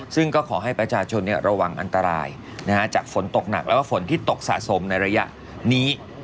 ซึ่งก็ขอให้ประชาชนระวังอันตรายจากฝนตกหนักแล้วก็ฝนที่ตกสะสมในระยะนี้